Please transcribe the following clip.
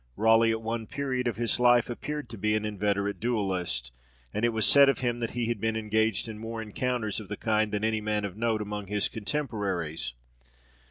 Raleigh at one period of his life appeared to be an inveterate duellist, and it was said of him that he had been engaged in more encounters of the kind than any man of note among his contemporaries.